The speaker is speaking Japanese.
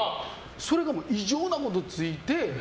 それが異常なほどついて。